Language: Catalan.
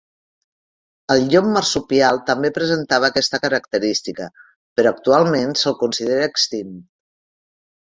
El llop marsupial també presentava aquesta característica, però actualment se'l considera extint.